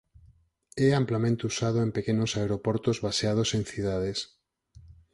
É amplamente usado en pequenos aeroportos baseados en cidades.